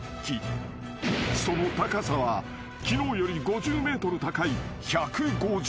［その高さは昨日より５０ｍ高い１５０ｍ］